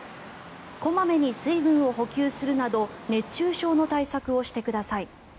小まめに水分を補給するなど熱中症の対策をしてください。